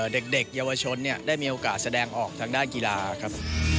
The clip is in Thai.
เด็กเยาวชนได้มีโอกาสแสดงออกทางด้านกีฬาครับ